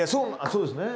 そうですね。